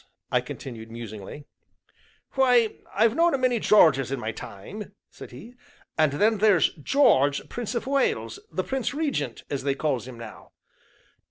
I continued musingly. "Why, I've knowed a many Georges in my time," said he, "and then there's George, Prince o' Wales, the Prince Regent, as they calls him now."